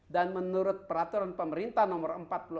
dan menurut peraturan pemerintah nomor empat puluh enam